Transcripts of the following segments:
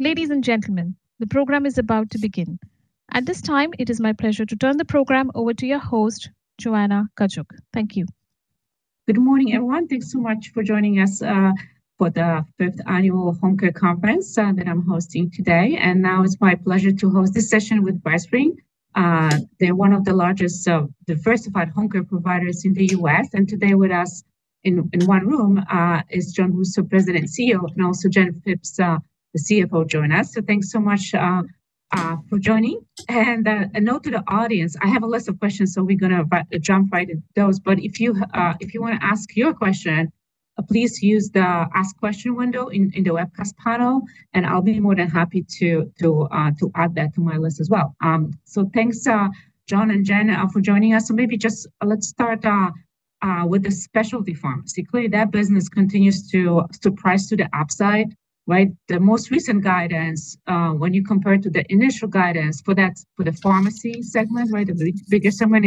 Ladies and gentlemen, the program is about to begin. At this time, it is my pleasure to turn the program over to your host, Joanna Gajuk. Thank you. Good morning, everyone. Thanks so much for joining us for the fifth annual Home Care Conference that I'm hosting today. And now it's my pleasure to host this session with BrightSpring. They're one of the largest, diversified home care providers in the U.S. And today with us in one room is Jon Rousseau, President and CEO, and also Jennifer Phipps, the CFO, joining us. So thanks so much for joining. And a note to the audience, I have a list of questions, so we're going to jump right into those. But if you want to ask your question, please use the ask question window in the webcast panel, and I'll be more than happy to add that to my list as well. So thanks, Jon and Jen, for joining us. So maybe just let's start with the specialty pharmacy. Clearly, that business continues to price to the upside, right? The most recent guidance, when you compare it to the initial guidance for the pharmacy segment, right, the biggest segment,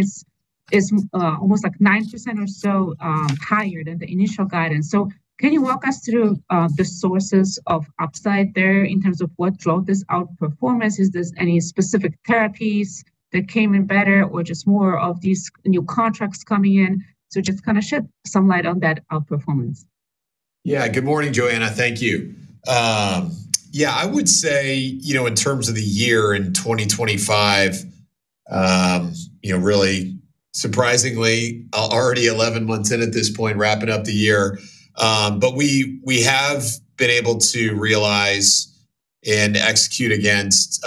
is almost like 9% or so higher than the initial guidance. So can you walk us through the sources of upside there in terms of what drove this outperformance? Is there any specific therapies that came in better or just more of these new contracts coming in? So just kind of shed some light on that outperformance. Yeah, good morning, Joanna. Thank you. Yeah, I would say, you know, in terms of the year in 2025, you know, really surprisingly, already 11 months in at this point, wrapping up the year. But we have been able to realize and execute against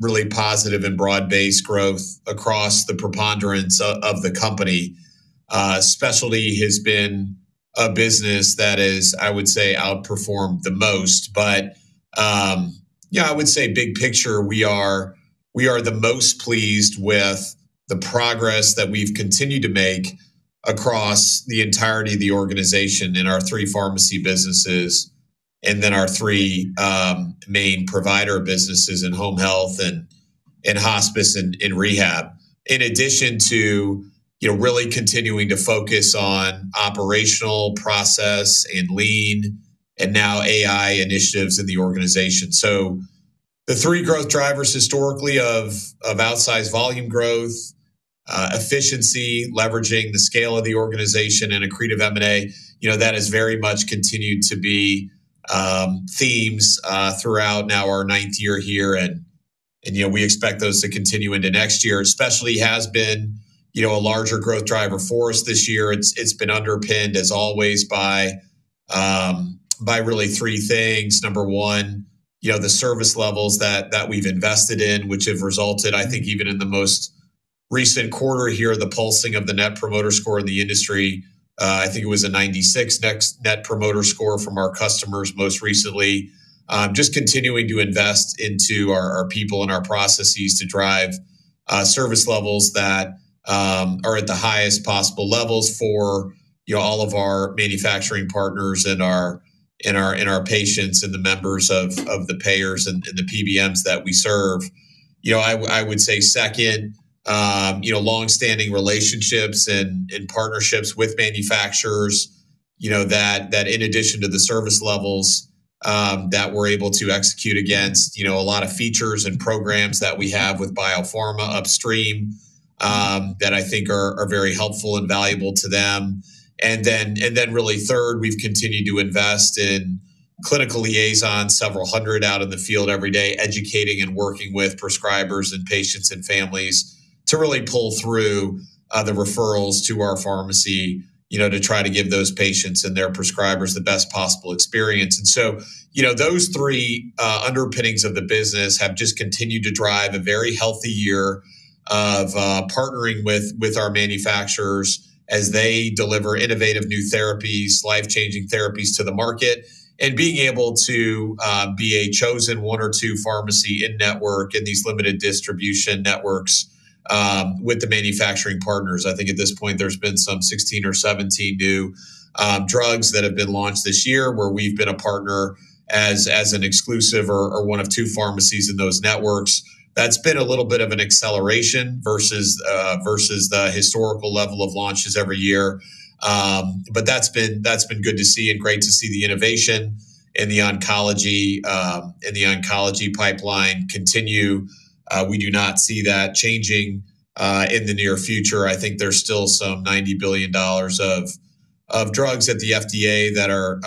really positive and broad-based growth across the preponderance of the company. Specialty has been a business that is, I would say, outperformed the most. But yeah, I would say big picture, we are the most pleased with the progress that we've continued to make across the entirety of the organization in our three pharmacy businesses and then our three main provider businesses in home health and hospice and rehab, in addition to really continuing to focus on operational process and lean and now AI initiatives in the organization. So the three growth drivers historically of outsized volume growth, efficiency, leveraging the scale of the organization, and accretive M&A, you know, that has very much continued to be themes throughout now our ninth year here. And we expect those to continue into next year. Specialty has been a larger growth driver for us this year. It's been underpinned, as always, by really three things. Number one, you know, the service levels that we've invested in, which have resulted, I think, even in the most recent quarter here: the pulsing of the Net Promoter Score in the industry. I think it was a 96 Net Promoter Score from our customers most recently. Just continuing to invest into our people and our processes to drive service levels that are at the highest possible levels for all of our manufacturing partners and our patients and the members of the payers and the PBMs that we serve. You know, I would say second, you know, long-standing relationships and partnerships with manufacturers, you know, that in addition to the service levels that we're able to execute against, you know, a lot of features and programs that we have with biopharma upstream that I think are very helpful and valuable to them. And then really third, we've continued to invest in clinical liaisons, several hundred out in the field every day, educating and working with prescribers and patients and families to really pull through the referrals to our pharmacy, you know, to try to give those patients and their prescribers the best possible experience. And so, you know, those three underpinnings of the business have just continued to drive a very healthy year of partnering with our manufacturers as they deliver innovative new therapies, life-changing therapies to the market, and being able to be a chosen one or two pharmacy in network in these limited distribution networks with the manufacturing partners. I think at this point, there's been some 16 or 17 new drugs that have been launched this year where we've been a partner as an exclusive or one of two pharmacies in those networks. That's been a little bit of an acceleration versus the historical level of launches every year. But that's been good to see and great to see the innovation in the oncology pipeline continue. We do not see that changing in the near future. I think there's still some $90 billion of drugs at the FDA that are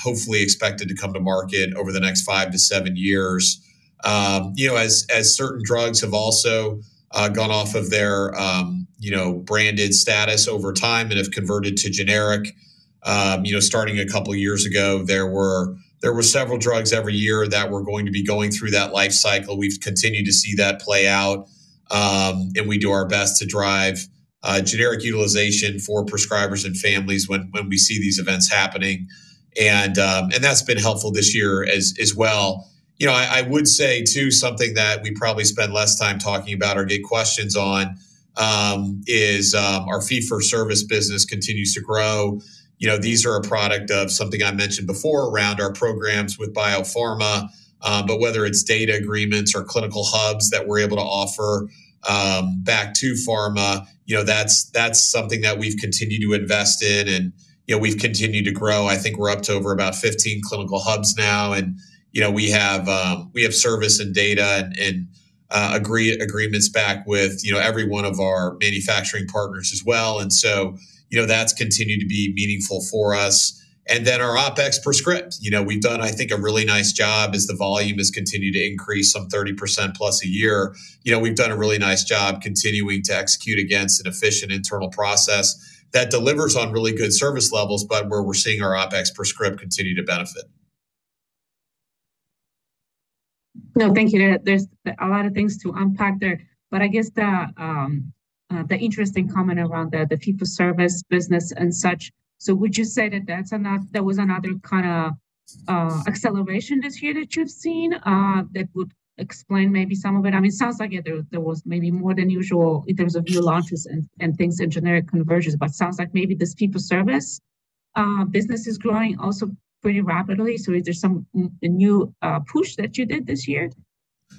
hopefully expected to come to market over the next five-to-seven years. You know, as certain drugs have also gone off of their branded status over time and have converted to generic, you know, starting a couple of years ago, there were several drugs every year that were going to be going through that life cycle. We've continued to see that play out. And we do our best to drive generic utilization for prescribers and families when we see these events happening. And that's been helpful this year as well. You know, I would say too, something that we probably spend less time talking about or get questions on is our fee-for-service business continues to grow. You know, these are a product of something I mentioned before around our programs with biopharma. But whether it's data agreements or clinical hubs that we're able to offer back to pharma, you know, that's something that we've continued to invest in. And you know, we've continued to grow. I think we're up to over about 15 clinical hubs now. And you know, we have service and data and agreements back with every one of our manufacturing partners as well. And so, you know, that's continued to be meaningful for us. And then our OpEx per script, you know, we've done, I think, a really nice job as the volume has continued to increase some 30% plus a year. You know, we've done a really nice job continuing to execute against an efficient internal process that delivers on really good service levels, but where we're seeing our OpEx per script continue to benefit. No, thank you. There's a lot of things to unpack there. But I guess the interesting comment around the fee-for-service business and such. So would you say that that was another kind of acceleration this year that you've seen that would explain maybe some of it? I mean, it sounds like there was maybe more than usual in terms of new launches and things in generic conversions. But it sounds like maybe this fee-for-service business is growing also pretty rapidly. So is there some new push that you did this year?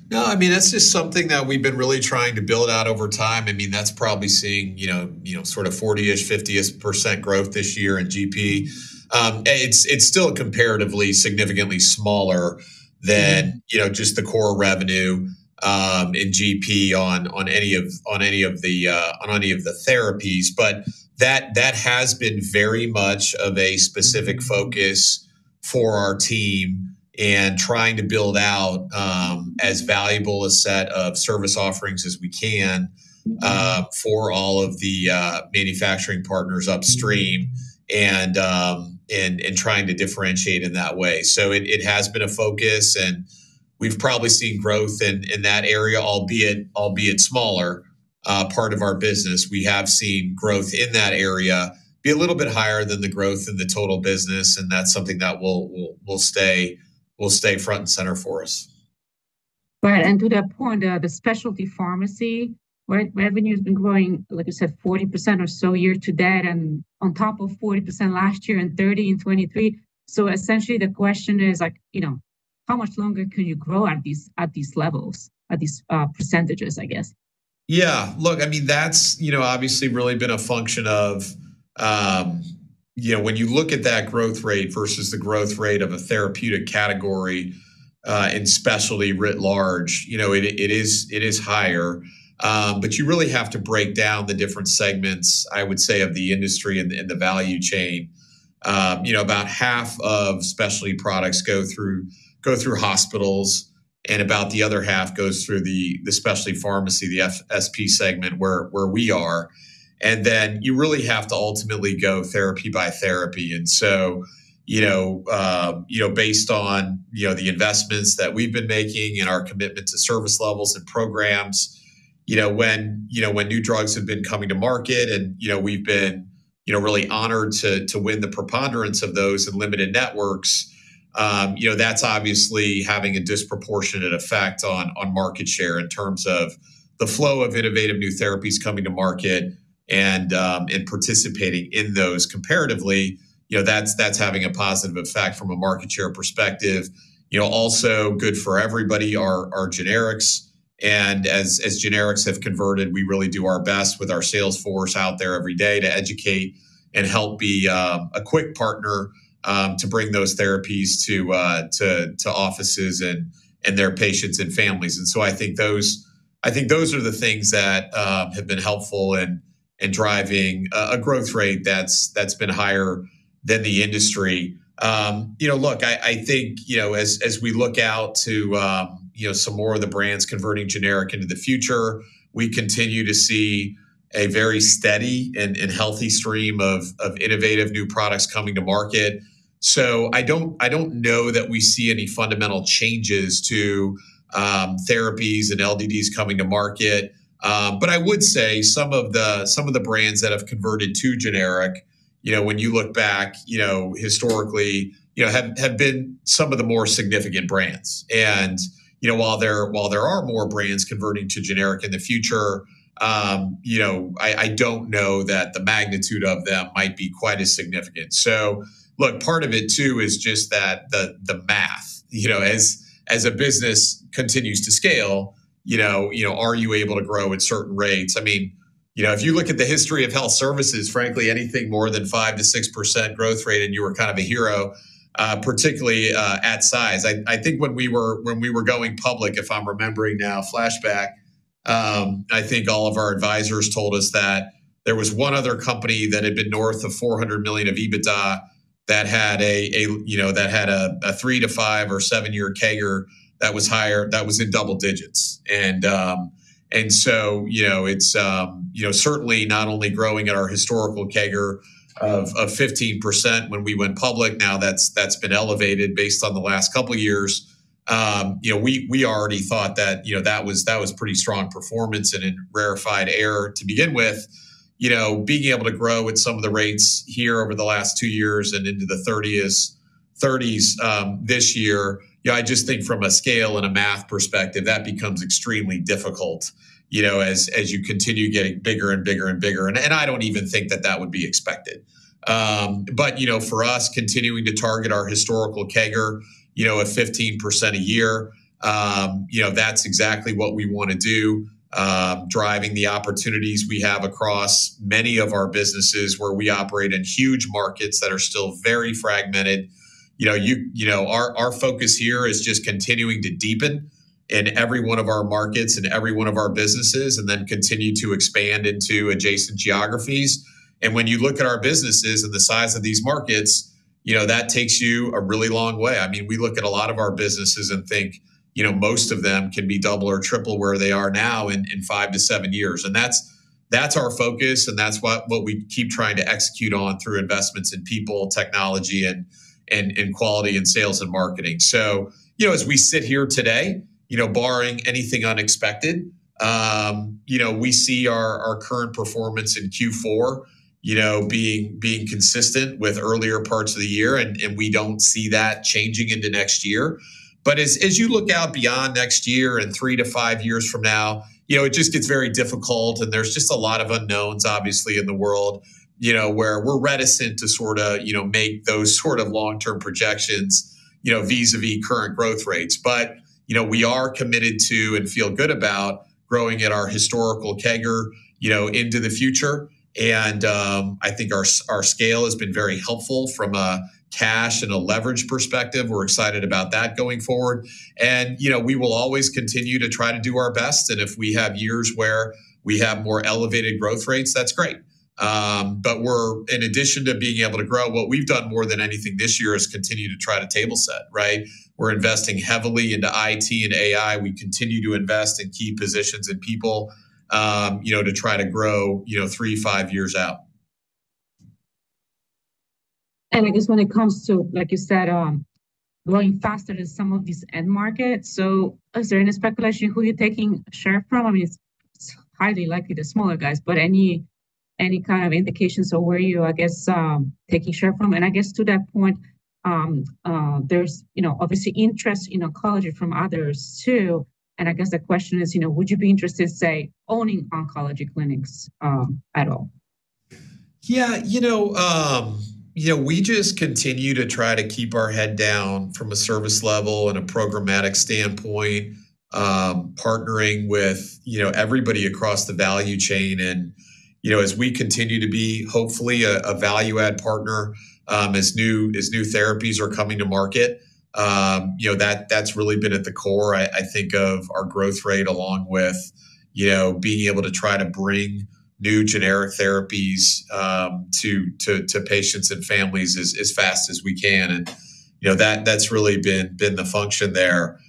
No, I mean, that's just something that we've been really trying to build out over time. I mean, that's probably seeing, you know, sort of 40%, 50% growth this year in GP. It's still comparatively significantly smaller than just the core revenue in GP on any of the therapies. But that has been very much of a specific focus for our team and trying to build out as valuable a set of service offerings as we can for all of the manufacturing partners upstream and trying to differentiate in that way. So it has been a focus. And we've probably seen growth in that area, albeit smaller part of our business. We have seen growth in that area be a little bit higher than the growth in the total business. And that's something that will stay front and center for us. Right. And to that point, the specialty pharmacy revenue has been growing, like you said, 40% or so year to date, and on top of 40% last year and 30% in 2023. So essentially, the question is, you know, how much longer can you grow at these levels, at these percentages, I guess? Yeah. Look, I mean, that's, you know, obviously really been a function of, you know, when you look at that growth rate versus the growth rate of a therapeutic category in specialty writ large, you know, it is higher. But you really have to break down the different segments, I would say, of the industry and the value chain. You know, about half of specialty products go through hospitals, and about the other half goes through the specialty pharmacy, the SP segment where we are. And then you really have to ultimately go therapy by therapy. And so, you know, based on the investments that we've been making and our commitment to service levels and programs, you know, when new drugs have been coming to market and, you know, we've been really honored to win the preponderance of those in limited networks, you know, that's obviously having a disproportionate effect on market share in terms of the flow of innovative new therapies coming to market and participating in those comparatively. You know, that's having a positive effect from a market share perspective. You know, also good for everybody are generics. And as generics have converted, we really do our best with our sales force out there every day to educate and help be a quick partner to bring those therapies to offices and their patients and families. And so I think those are the things that have been helpful in driving a growth rate that's been higher than the industry. You know, look, I think, you know, as we look out to some more of the brands converting to generic in the future, we continue to see a very steady and healthy stream of innovative new products coming to market. So I don't know that we see any fundamental changes to therapies and LDDs coming to market. But I would say some of the brands that have converted to generic, you know, when you look back, you know, historically, you know, have been some of the more significant brands. And, you know, while there are more brands converting to generic in the future, you know, I don't know that the magnitude of them might be quite as significant. So, look, part of it too is just that the math, you know, as a business continues to scale, you know, are you able to grow at certain rates? I mean, you know, if you look at the history of health services, frankly, anything more than 5%-6% growth rate and you were kind of a hero, particularly at size. I think when we were going public, if I'm remembering now, flashback, I think all of our advisors told us that there was one other company that had been north of $400 million of EBITDA that had a, you know, that had a three to five or seven-year CAGR that was higher, that was in double digits. And so, you know, it's, you know, certainly not only growing at our historical CAGR of 15% when we went public. Now that's been elevated based on the last couple of years. You know, we already thought that, you know, that was pretty strong performance and in rarefied air to begin with. You know, being able to grow at some of the rates here over the last two years and into the 30s this year, you know, I just think from a scale and a math perspective, that becomes extremely difficult, you know, as you continue getting bigger and bigger and bigger. And I don't even think that that would be expected. But, you know, for us, continuing to target our historical CAGR, you know, at 15% a year, you know, that's exactly what we want to do, driving the opportunities we have across many of our businesses where we operate in huge markets that are still very fragmented. You know, our focus here is just continuing to deepen in every one of our markets and every one of our businesses and then continue to expand into adjacent geographies. And when you look at our businesses and the size of these markets, you know, that takes you a really long way. I mean, we look at a lot of our businesses and think, you know, most of them can be double or triple where they are now in five to seven years. And that's our focus. And that's what we keep trying to execute on through investments in people, technology, and quality and sales and marketing. So, you know, as we sit here today, you know, barring anything unexpected, you know, we see our current performance in Q4, you know, being consistent with earlier parts of the year. And we don't see that changing into next year. But as you look out beyond next year and three to five years from now, you know, it just gets very difficult. And there's just a lot of unknowns, obviously, in the world, you know, where we're reticent to sort of, you know, make those sort of long-term projections, you know, vis-à-vis current growth rates. But, you know, we are committed to and feel good about growing at our historical CAGR, you know, into the future. And I think our scale has been very helpful from a cash and a leverage perspective. We're excited about that going forward. And, you know, we will always continue to try to do our best. And if we have years where we have more elevated growth rates, that's great. But we're, in addition to being able to grow, what we've done more than anything this year is continue to try to table set, right? We're investing heavily into IT and AI. We continue to invest in key positions and people, you know, to try to grow, you know, three, five years out. And I guess when it comes to, like you said, going faster in some of these end markets, so is there any speculation who you're taking share from? I mean, it's highly likely the smaller guys, but any kind of indications of where you, I guess, taking share from? And I guess to that point, there's, you know, obviously interest in oncology from others too. And I guess the question is, you know, would you be interested in, say, owning oncology clinics at all? Yeah, you know, you know, we just continue to try to keep our head down from a service level and a programmatic standpoint, partnering with, you know, everybody across the value chain, and you know, as we continue to be hopefully a value-add partner as new therapies are coming to market, you know, that's really been at the core, I think, of our growth rate along with, you know, being able to try to bring new generic therapies to patients and families as fast as we can, and you know, that's really been the function there.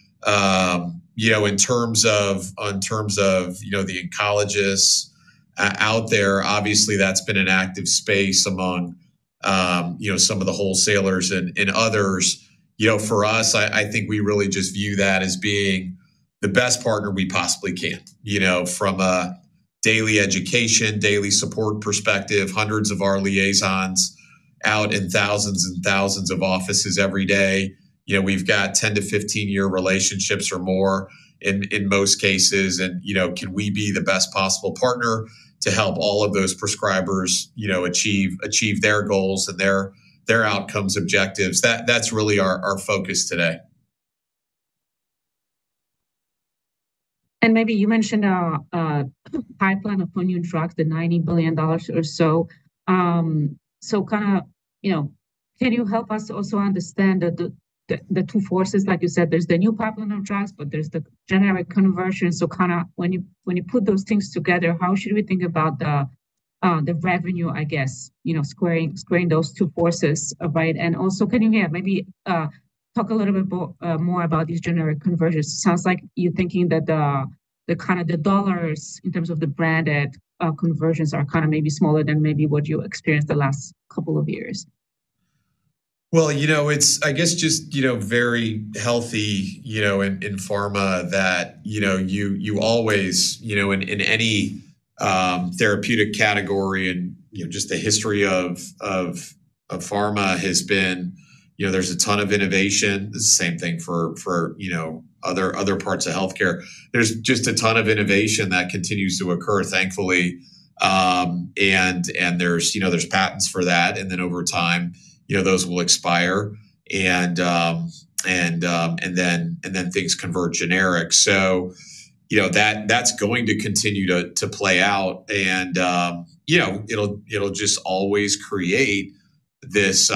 You know, in terms of, you know, the oncologists out there, obviously, that's been an active space among, you know, some of the wholesalers and others. You know, for us, I think we really just view that as being the best partner we possibly can, you know, from a daily education, daily support perspective, hundreds of our liaisons out in thousands and thousands of offices every day. You know, we've got 10 to 15-year relationships or more in most cases, and you know, can we be the best possible partner to help all of those prescribers, you know, achieve their goals and their outcomes, objectives? That's really our focus today. And maybe you mentioned a pipeline of new drugs, the $90 billion or so. So kind of, you know, can you help us also understand the two forces? Like you said, there's the new pipeline of drugs, but there's the generic conversion. So kind of when you put those things together, how should we think about the revenue, I guess, you know, squaring those two forces, right? And also can you, yeah, maybe talk a little bit more about these generic conversions? Sounds like you're thinking that the kind of the dollars in terms of the branded conversions are kind of maybe smaller than maybe what you experienced the last couple of years. You know, it's, I guess, just, you know, very healthy, you know, in pharma that, you know, you always, you know, in any therapeutic category and, you know, just the history of pharma has been, you know, there's a ton of innovation. It's the same thing for, you know, other parts of healthcare. There's just a ton of innovation that continues to occur, thankfully. And there's, you know, there's patents for that. And then over time, you know, those will expire. And then things convert generic. So, you know, that's going to continue to play out. And, you know, it'll just always create this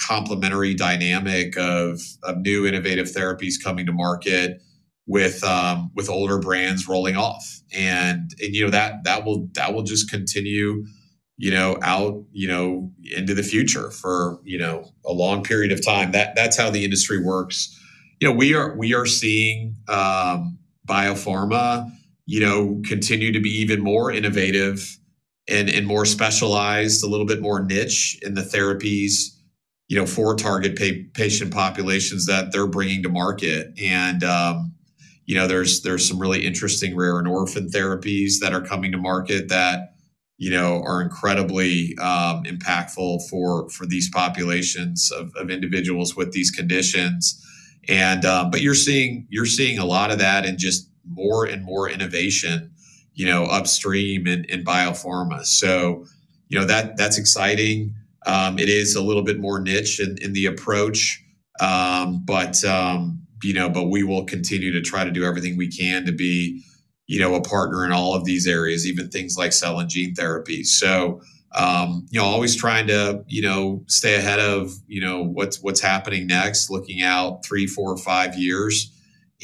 complementary dynamic of new innovative therapies coming to market with older brands rolling off. And, you know, that will just continue, you know, out, you know, into the future for, you know, a long period of time. That's how the industry works. You know, we are seeing biopharma, you know, continue to be even more innovative and more specialized, a little bit more niche in the therapies, you know, for target patient populations that they're bringing to market, and you know, there's some really interesting rare and orphan therapies that are coming to market that, you know, are incredibly impactful for these populations of individuals with these conditions, but you're seeing a lot of that and just more and more innovation, you know, upstream in biopharma, so you know, that's exciting. It is a little bit more niche in the approach, but you know, but we will continue to try to do everything we can to be, you know, a partner in all of these areas, even things like cell and gene therapy. So, you know, always trying to, you know, stay ahead of, you know, what's happening next, looking out three, four, five years.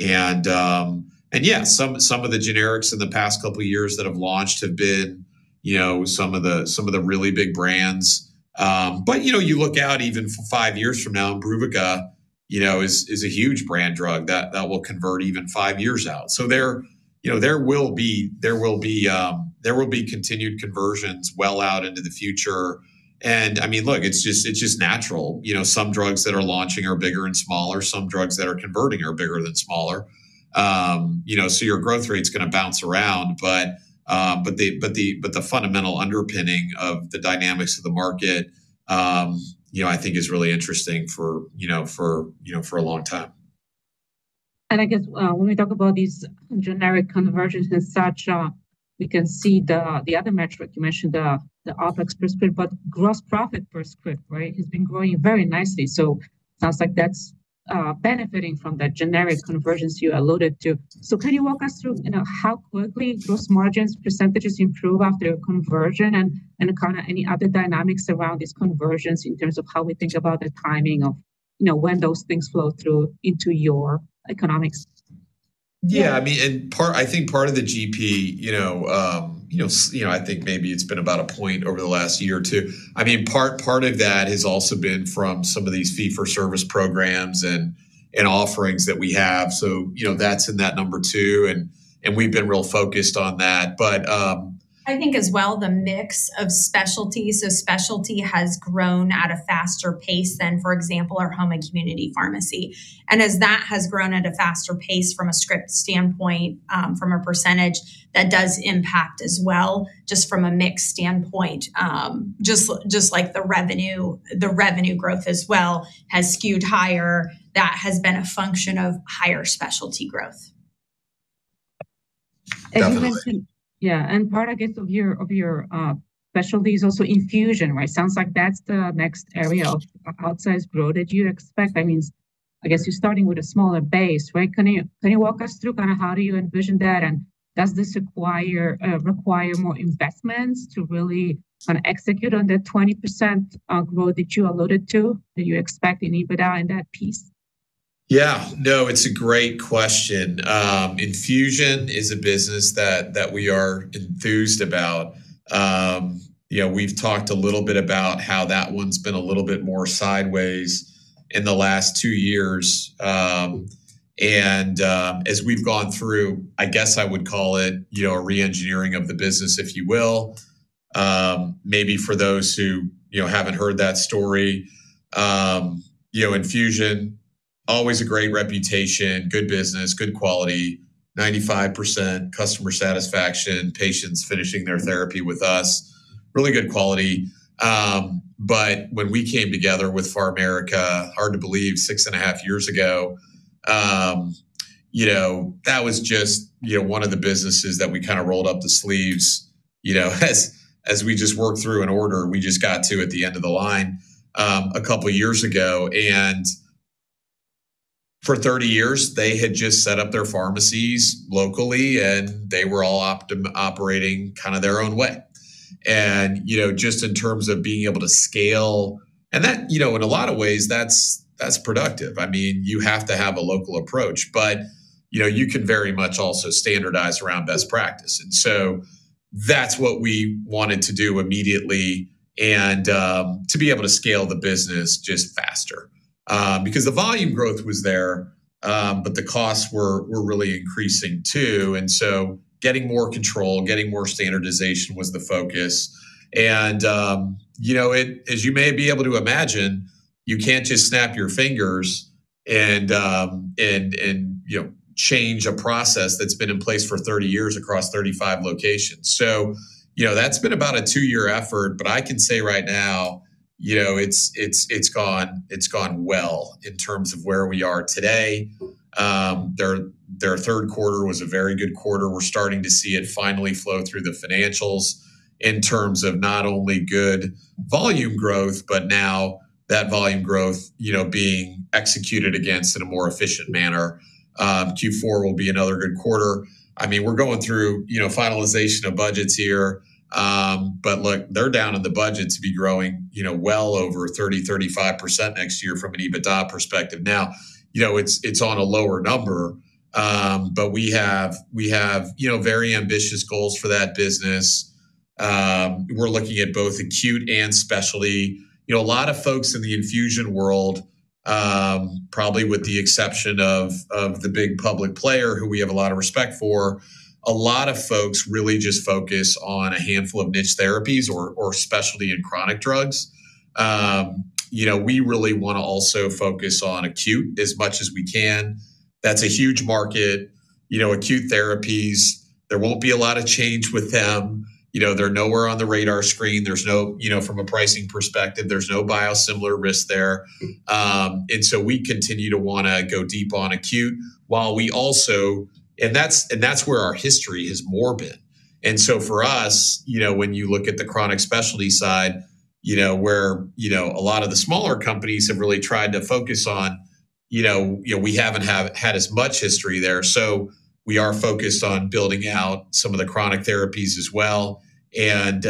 And, yeah, some of the generics in the past couple of years that have launched have been, you know, some of the really big brands. But, you know, you look out even five years from now, Imbruvica, you know, is a huge brand drug that will convert even five years out. So there, you know, there will be continued conversions well out into the future. And I mean, look, it's just natural, you know, some drugs that are launching are bigger and smaller. Some drugs that are converting are bigger than smaller. You know, so your growth rate's going to bounce around. But the fundamental underpinning of the dynamics of the market, you know, I think is really interesting for, you know, for a long time. I guess when we talk about these generic conversions and such, we can see the other metric you mentioned, the OpEx per script, but gross profit per script, right, has been growing very nicely. It sounds like that's benefiting from that generic conversion you alluded to. Can you walk us through, you know, how quickly gross margins percentages improve after a conversion and kind of any other dynamics around these conversions in terms of how we think about the timing of, you know, when those things flow through into your economics? Yeah, I mean, and I think part of the GP, you know, you know, I think maybe it's been about a point over the last year or two. I mean, part of that has also been from some of these fee-for-service programs and offerings that we have. So, you know, that's in that number two. And we've been real focused on that. But. I think as well the mix of specialties, so specialty has grown at a faster pace than, for example, our home and community pharmacy, and as that has grown at a faster pace from a script standpoint, from a percentage, that does impact as well just from a mix standpoint, just like the revenue growth as well has skewed higher. That has been a function of higher specialty growth. Yeah. And part, I guess, of your specialty is also infusion, right? Sounds like that's the next area of outsized growth that you expect. I mean, I guess you're starting with a smaller base, right? Can you walk us through kind of how do you envision that? And does this require more investments to really kind of execute on that 20% growth that you alluded to, that you expect in EBITDA and that piece? Yeah. No, it's a great question. Infusion is a business that we are enthused about. You know, we've talked a little bit about how that one's been a little bit more sideways in the last two years. And as we've gone through, I guess I would call it, you know, a re-engineering of the business, if you will. Maybe for those who, you know, haven't heard that story, you know, infusion, always a great reputation, good business, good quality, 95% customer satisfaction, patients finishing their therapy with us, really good quality. But when we came together with PharMerica, hard to believe, six and a half years ago, you know, that was just, you know, one of the businesses that we kind of rolled up the sleeves, you know, as we just worked through an order. We just got to at the end of the line a couple of years ago. For 30 years, they had just set up their pharmacies locally, and they were all operating kind of their own way. You know, just in terms of being able to scale, and that, you know, in a lot of ways, that's productive. I mean, you have to have a local approach, but, you know, you can very much also standardize around best practice. That's what we wanted to do immediately and to be able to scale the business just faster. Because the volume growth was there, but the costs were really increasing too. Getting more control, getting more standardization was the focus. You know, as you may be able to imagine, you can't just snap your fingers and, you know, change a process that's been in place for 30 years across 35 locations. That's been about a two-year effort. But I can say right now, you know, it's gone well in terms of where we are today. Their third quarter was a very good quarter. We're starting to see it finally flow through the financials in terms of not only good volume growth, but now that volume growth, you know, being executed against in a more efficient manner. Q4 will be another good quarter. I mean, we're going through, you know, finalization of budgets here. But look, they're down in the budget to be growing, you know, well over 30%-35% next year from an EBITDA perspective. Now, you know, it's on a lower number, but we have, you know, very ambitious goals for that business. We're looking at both acute and specialty. You know, a lot of folks in the infusion world, probably with the exception of the big public player who we have a lot of respect for, a lot of folks really just focus on a handful of niche therapies or specialty and chronic drugs. You know, we really want to also focus on acute as much as we can. That's a huge market. You know, acute therapies, there won't be a lot of change with them. You know, they're nowhere on the radar screen. There's no, you know, from a pricing perspective, there's no biosimilar risk there. And so we continue to want to go deep on acute while we also, and that's where our history has more been. And so, for us, you know, when you look at the chronic specialty side, you know, where, you know, a lot of the smaller companies have really tried to focus on, you know, we haven't had as much history there. So we are focused on building out some of the chronic therapies as well. And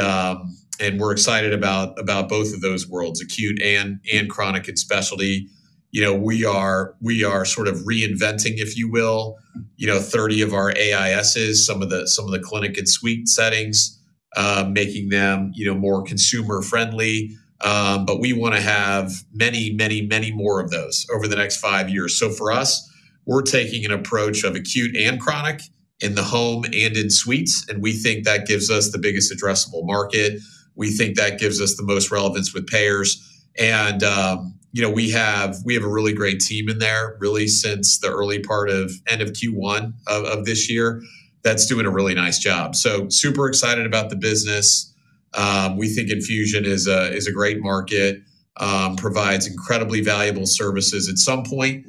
we're excited about both of those worlds, acute and chronic and specialty. You know, we are sort of reinventing, if you will, you know, 30 of our AISs, some of the clinic and suite settings, making them, you know, more consumer-friendly. But we want to have many, many, many more of those over the next five years. So for us, we're taking an approach of acute and chronic in the home and in suites. And we think that gives us the biggest addressable market. We think that gives us the most relevance with payers. And, you know, we have a really great team in there, really, since the early part of end of Q1 of this year. That's doing a really nice job. So super excited about the business. We think infusion is a great market, provides incredibly valuable services. At some point,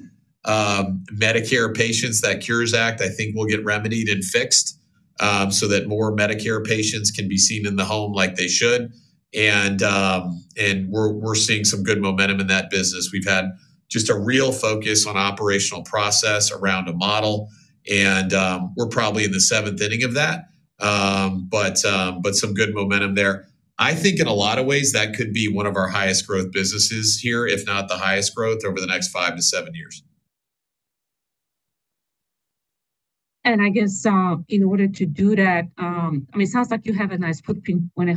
Medicare patients, that Cures Act, I think will get remedied and fixed so that more Medicare patients can be seen in the home like they should. And we're seeing some good momentum in that business. We've had just a real focus on operational process around a model. And we're probably in the seventh inning of that, but some good momentum there. I think in a lot of ways, that could be one of our highest growth businesses here, if not the highest growth over the next five to seven years. And I guess in order to do that, I mean, it sounds like you have a nice footprint when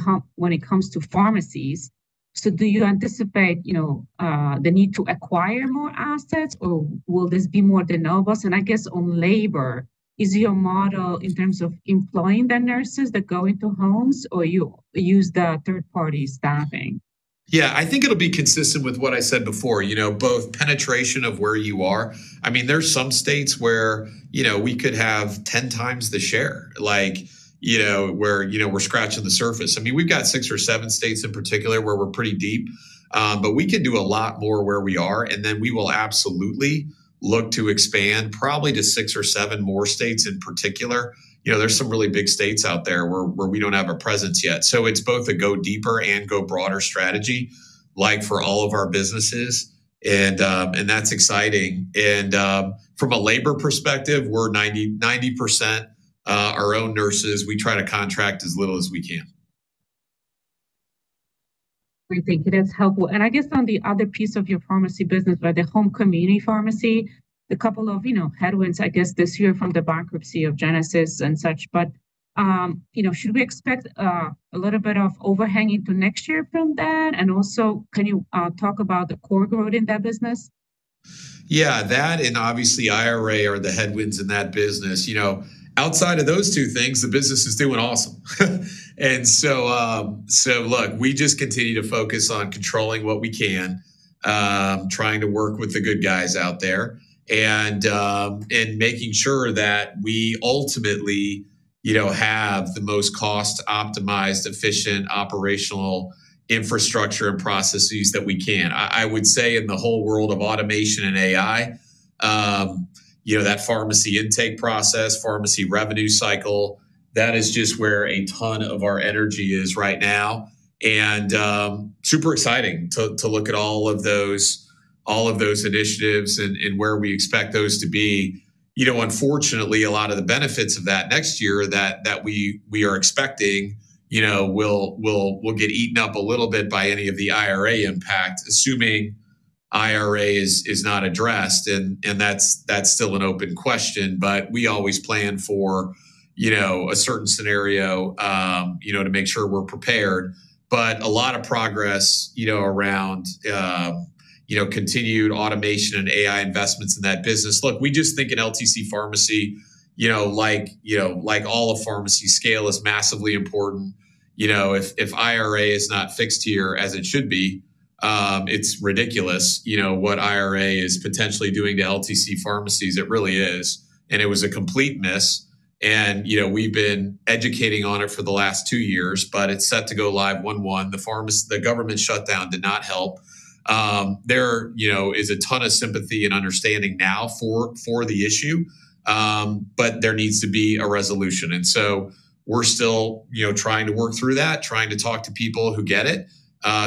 it comes to pharmacies. So do you anticipate, you know, the need to acquire more assets or will this be more de novo? And I guess on labor, is your model in terms of employing the nurses that go into homes or you use the third-party staffing? Yeah, I think it'll be consistent with what I said before, you know, both penetration of where you are. I mean, there's some states where, you know, we could have 10 times the share, like, you know, where, you know, we're scratching the surface. I mean, we've got six or seven states in particular where we're pretty deep, but we can do a lot more where we are. And then we will absolutely look to expand probably to six or seven more states in particular. You know, there's some really big states out there where we don't have a presence yet. So it's both a go deeper and go broader strategy, like for all of our businesses. And that's exciting. And from a labor perspective, we're 90% our own nurses. We try to contract as little as we can. I think that's helpful, and I guess on the other piece of your pharmacy business, right, the home community pharmacy, a couple of, you know, headwinds, I guess, this year from the bankruptcy of Genesis and such, but, you know, should we expect a little bit of overhang into next year from that? And also, can you talk about the core growth in that business? Yeah, that and obviously IRA are the headwinds in that business. You know, outside of those two things, the business is doing awesome. And so, so look, we just continue to focus on controlling what we can, trying to work with the good guys out there and making sure that we ultimately, you know, have the most cost-optimized, efficient operational infrastructure and processes that we can. I would say in the whole world of automation and AI, you know, that pharmacy intake process, pharmacy revenue cycle, that is just where a ton of our energy is right now. And super exciting to look at all of those initiatives and where we expect those to be. You know, unfortunately, a lot of the benefits of that next year that we are expecting, you know, will get eaten up a little bit by any of the IRA impact, assuming IRA is not addressed, and that's still an open question, but we always plan for, you know, a certain scenario, you know, to make sure we're prepared, but a lot of progress, you know, around, you know, continued automation and AI investments in that business. Look, we just think in LTC pharmacy, you know, like all of pharmacy scale is massively important. You know, if IRA is not fixed here as it should be, it's ridiculous, you know, what IRA is potentially doing to LTC pharmacies. It really is, and it was a complete miss, and, you know, we've been educating on it for the last two years, but it's set to go live one-on-one. The government shutdown did not help. There, you know, is a ton of sympathy and understanding now for the issue, but there needs to be a resolution, and so we're still, you know, trying to work through that, trying to talk to people who get it,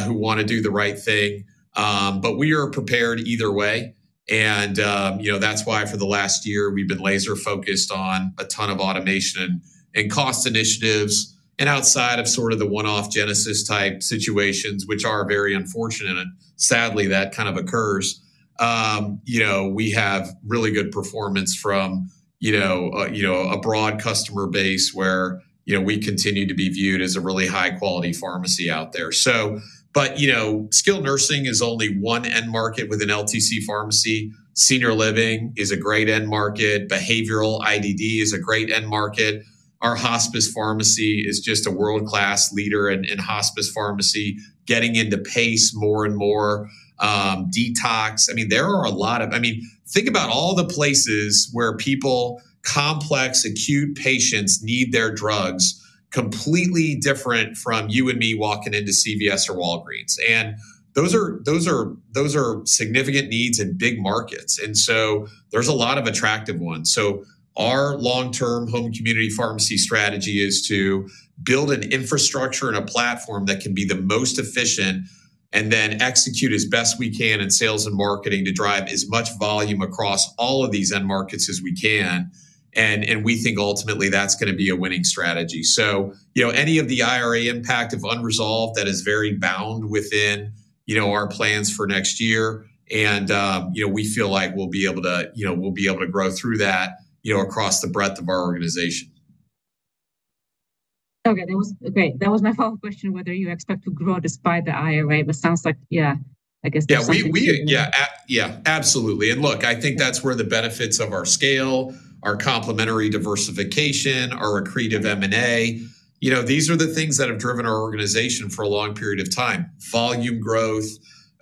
who want to do the right thing, but we are prepared either way, and, you know, that's why for the last year, we've been laser-focused on a ton of automation and cost initiatives, and outside of sort of the one-off Genesis-type situations, which are very unfortunate, sadly, that kind of occurs, you know, we have really good performance from, you know, a broad customer base where, you know, we continue to be viewed as a really high-quality pharmacy out there, so, but, you know, skilled nursing is only one end market within LTC pharmacy. Senior living is a great end market. Behavioral IDD is a great end market. Our hospice pharmacy is just a world-class leader in hospice pharmacy, getting into place more and more. Detox, I mean, there are a lot of, I mean, think about all the places where people, complex acute patients need their drugs, completely different from you and me walking into CVS or Walgreens. And those are significant needs in big markets. And so there's a lot of attractive ones. So our long-term home community pharmacy strategy is to build an infrastructure and a platform that can be the most efficient and then execute as best we can in sales and marketing to drive as much volume across all of these end markets as we can. And we think ultimately that's going to be a winning strategy. You know, any of the IRA impact of unresolved that is very bound within, you know, our plans for next year. You know, we feel like we'll be able to, you know, we'll be able to grow through that, you know, across the breadth of our organization. Okay. That was great. That was my follow-up question, whether you expect to grow despite the IRA, but it sounds like, yeah, I guess. Yeah, yeah, absolutely. And look, I think that's where the benefits of our scale, our complementary diversification, our accretive M&A, you know, these are the things that have driven our organization for a long period of time. Volume growth,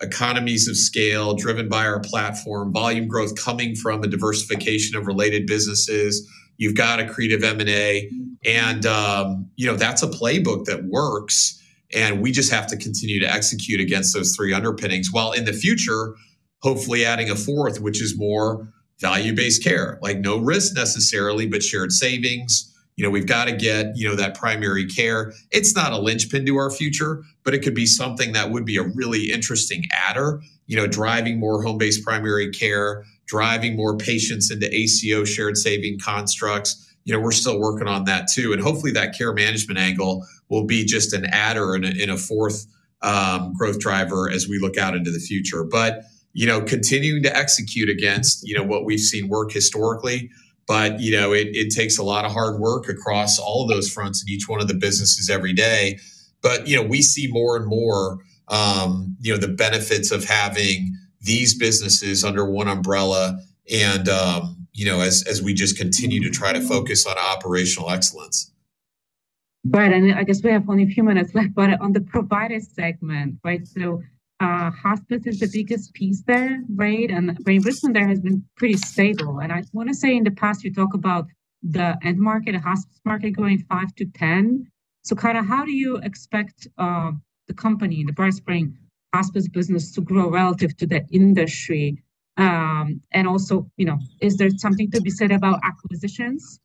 economies of scale driven by our platform, volume growth coming from the diversification of related businesses. You've got accretive M&A. And, you know, that's a playbook that works. And we just have to continue to execute against those three underpinnings while in the future, hopefully adding a fourth, which is more value-based care, like no risk necessarily, but shared savings. You know, we've got to get, you know, that primary care. It's not a linchpin to our future, but it could be something that would be a really interesting adder, you know, driving more home-based primary care, driving more patients into ACO shared saving constructs. You know, we're still working on that too, and hopefully that care management angle will be just an adder in a fourth growth driver as we look out into the future, but you know, continuing to execute against, you know, what we've seen work historically, but you know, it takes a lot of hard work across all of those fronts in each one of the businesses every day, but you know, we see more and more, you know, the benefits of having these businesses under one umbrella and, you know, as we just continue to try to focus on operational excellence. Right. And I guess we have only a few minutes left, but on the provider segment, right? So hospice is the biggest piece there, right? And BrightSpring there has been pretty stable. And I want to say in the past, you talk about the end market, the hospice market going five to 10. So kind of how do you expect the company, the BrightSpring hospice business to grow relative to the industry? And also, you know, is there something to be said about acquisitions?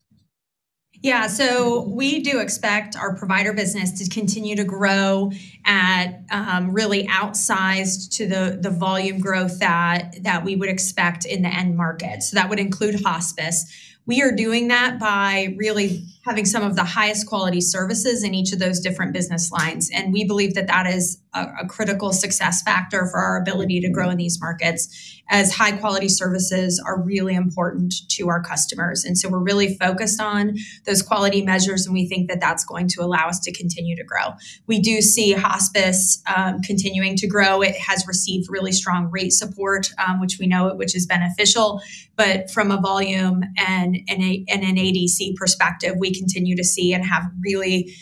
Yeah. So we do expect our provider business to continue to grow at really outsized to the volume growth that we would expect in the end market. So that would include hospice. We are doing that by really having some of the highest quality services in each of those different business lines. And we believe that that is a critical success factor for our ability to grow in these markets as high-quality services are really important to our customers. And so we're really focused on those quality measures, and we think that that's going to allow us to continue to grow. We do see hospice continuing to grow. It has received really strong rate support, which we know, which is beneficial. But from a volume and an ADC perspective, we continue to see and have really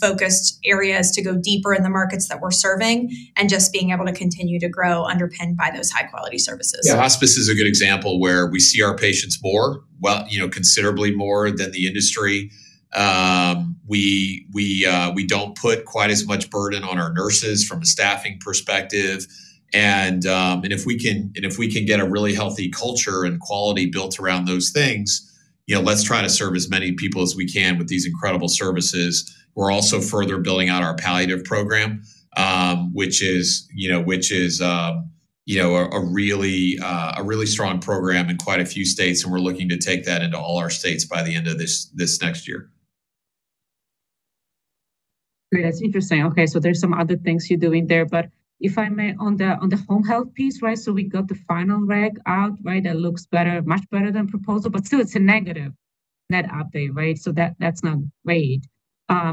focused areas to go deeper in the markets that we're serving and just being able to continue to grow underpinned by those high-quality services. Yeah, hospice is a good example where we see our patients more, you know, considerably more than the industry. We don't put quite as much burden on our nurses from a staffing perspective. And if we can get a really healthy culture and quality built around those things, you know, let's try to serve as many people as we can with these incredible services. We're also further building out our palliative program, which is, you know, a really strong program in quite a few states. And we're looking to take that into all our states by the end of this next year. Great. That's interesting. Okay. So there's some other things you're doing there. But if I may, on the home health piece, right? So we got the final reg out, right? That looks better, much better than proposal, but still it's a negative net update, right? So that's not great.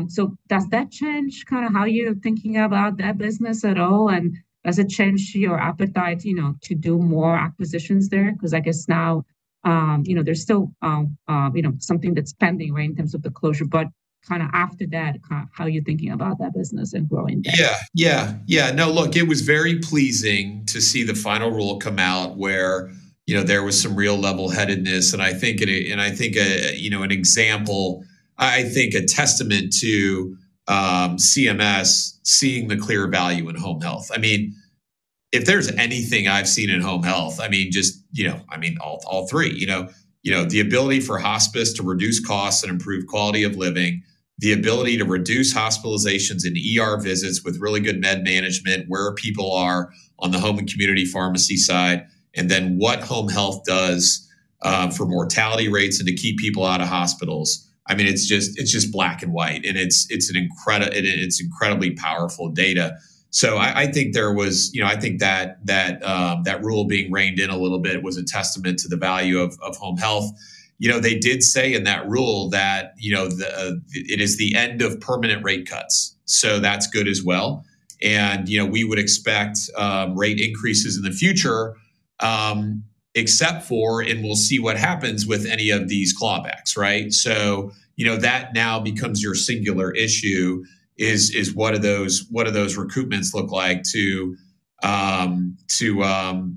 So does that change kind of how you're thinking about that business at all? And does it change your appetite, you know, to do more acquisitions there? Because I guess now, you know, there's still, you know, something that's pending, right, in terms of the closure. But kind of after that, how are you thinking about that business and growing that? Yeah, yeah, yeah. No, look, it was very pleasing to see the final rule come out where, you know, there was some real levelheadedness, and I think, and I think, you know, an example, I think a testament to CMS seeing the clear value in home health. I mean, if there's anything I've seen in home health, I mean, just, you know, you know, the ability for hospice to reduce costs and improve quality of living, the ability to reduce hospitalizations and visits with really good med management, where people are on the home and community pharmacy side, and then what home health does for mortality rates and to keep people out of hospitals. I mean, it's just, it's just black and white, and it's an incredible, it's incredibly powerful data. So I think there was, you know, I think that that rule being reined in a little bit was a testament to the value of home health. You know, they did say in that rule that, you know, it is the end of permanent rate cuts. So that's good as well. And, you know, we would expect rate increases in the future, except for, and we'll see what happens with any of these clawbacks, right? So, you know, that now becomes your singular issue is what do those recoupments look like to,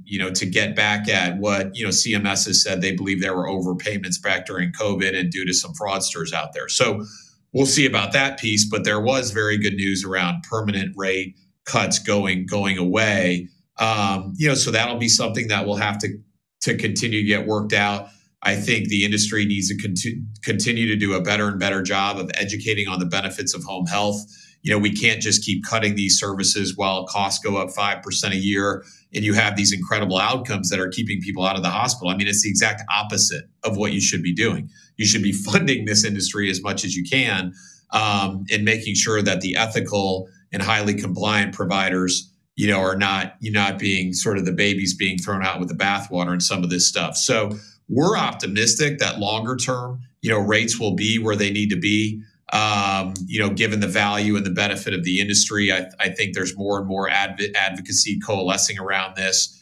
you know, to get back at what, you know, CMS has said they believe there were overpayments back during COVID and due to some fraudsters out there. So we'll see about that piece. But there was very good news around permanent rate cuts going away. You know, so that'll be something that we'll have to continue to get worked out. I think the industry needs to continue to do a better and better job of educating on the benefits of home health. You know, we can't just keep cutting these services while costs go up 5% a year and you have these incredible outcomes that are keeping people out of the hospital. I mean, it's the exact opposite of what you should be doing. You should be funding this industry as much as you can and making sure that the ethical and highly compliant providers, you know, are not being sort of the babies being thrown out with the bathwater and some of this stuff. So we're optimistic that longer term, you know, rates will be where they need to be, you know, given the value and the benefit of the industry. I think there's more and more advocacy coalescing around this.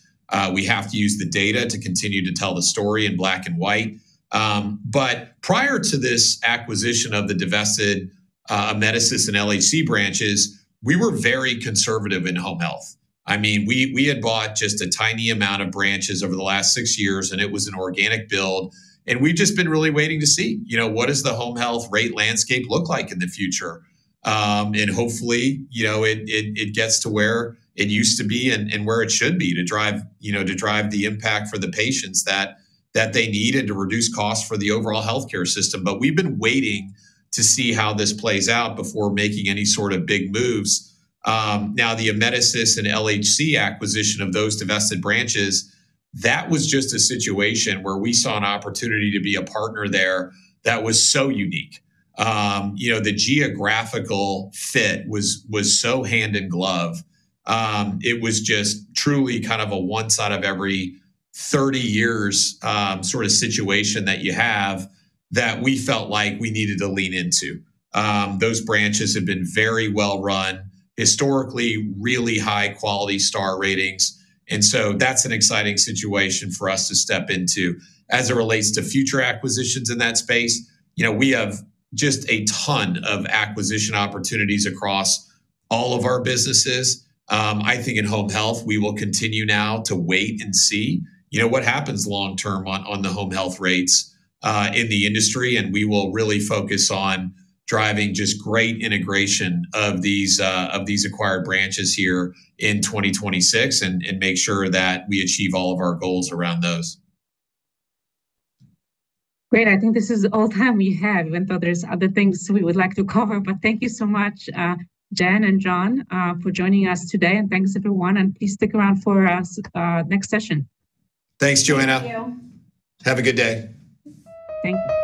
We have to use the data to continue to tell the story in black and white. But prior to this acquisition of the divested Amedisys and LHC branches, we were very conservative in home health. I mean, we had bought just a tiny amount of branches over the last six years, and it was an organic build. And we've just been really waiting to see, you know, what does the home health rate landscape look like in the future? And hopefully, you know, it gets to where it used to be and where it should be to drive, you know, to drive the impact for the patients that they need and to reduce costs for the overall healthcare system. But we've been waiting to see how this plays out before making any sort of big moves. Now, the Amedisys and LHC acquisition of those divested branches, that was just a situation where we saw an opportunity to be a partner there that was so unique. You know, the geographical fit was so hand in glove. It was just truly kind of a once-in-every-30-years sort of situation that you have that we felt like we needed to lean into. Those branches have been very well run, historically really high-quality Star Ratings. And so that's an exciting situation for us to step into as it relates to future acquisitions in that space. You know, we have just a ton of acquisition opportunities across all of our businesses. I think in home health, we will continue now to wait and see, you know, what happens long-term on the home health rates in the industry. And we will really focus on driving just great integration of these acquired branches here in 2026 and make sure that we achieve all of our goals around those. Great. I think this is all the time we have. Even though there's other things we would like to cover. But thank you so much, Jen and Jon, for joining us today. And thanks, everyone. And please stick around for our next session. Thanks, Joanna. Thank you. Have a good day. Thank you.